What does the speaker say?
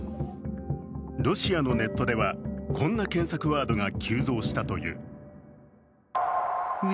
ロシアのネットでは、こんな検索ワードが急増したという。